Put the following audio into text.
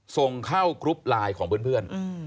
ส่งเข้ากรุ๊ปไลน์ของเพื่อน